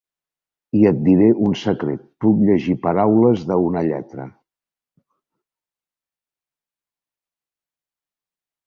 I et diré un secret: puc llegir paraules d'una lletra!